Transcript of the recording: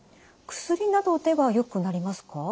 薬などではよくなりますか？